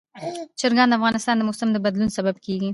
چرګان د افغانستان د موسم د بدلون سبب کېږي.